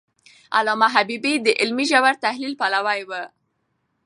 علامه حبيبي د علمي ژور تحلیل پلوی و.